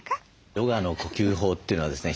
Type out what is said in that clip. ヨガの呼吸法というのはですね